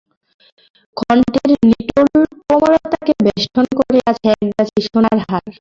কণ্ঠের নিটোল কোমলতাকে বেষ্টন করে আছে একগাছি সোনার হার।